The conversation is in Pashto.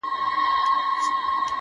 نن بيا يوې پيغلي په ټپه كـي راتـه وژړل،